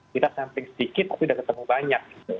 kita sampling sedikit tapi sudah ketemu banyak